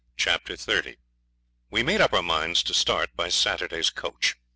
Chapter 30 We made up our minds to start by Saturday's coach.